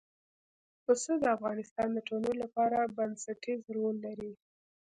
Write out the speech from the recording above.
پسه د افغانستان د ټولنې لپاره بنسټيز رول لري.